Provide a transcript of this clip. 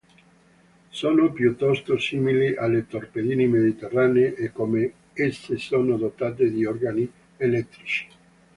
Sono piuttosto simili alle torpedini mediterranee e come esse sono dotate di organi elettrici.